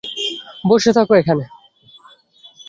বসে থাক এখানে।